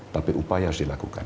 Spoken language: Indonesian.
tapi upaya harus dilakukan